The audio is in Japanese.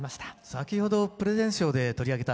先ほどプレゼンショーで取り上げた高杉晋作